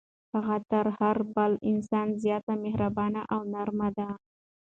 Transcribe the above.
هغه تر هر بل انسان زیاته مهربانه او نرمه ده.